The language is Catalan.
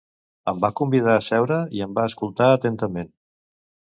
em va convidar a seure i em va escoltar atentament